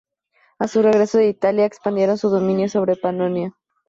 A su regreso de Italia expandieron su dominio sobre Panonia.